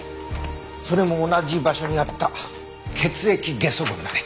それも同じ場所にあった血液ゲソ痕だね。